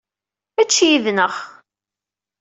Ečč yid-neɣ.